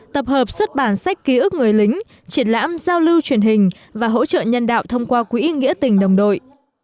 tập hợp xuất bản sách ký ức người lính triển lãm giao lưu truyền hình và hỗ trợ nhân đạo thông qua quỹ nghĩa tình đồng đội